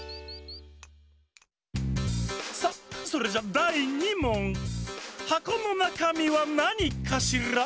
さあそれじゃだい２もん！はこのなかみはなにかしら？